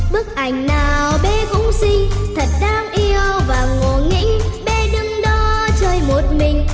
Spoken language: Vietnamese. bức ảnh này biết cùng gia đình